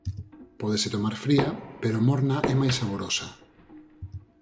Pódese tomar fría, pero morna é máis saborosa.